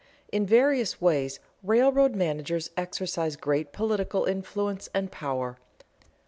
_In various ways railroad managers exercise great political influence and power.